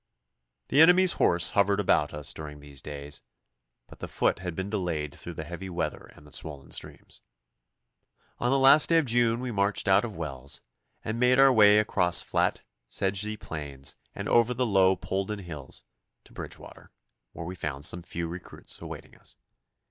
The enemy's horse hovered about us during these days, but the foot had been delayed through the heavy weather and the swollen streams. On the last day of June we marched out of Wells, and made our way across flat sedgy plains and over the low Polden Hills to Bridgewater, where we found some few recruits awaiting us.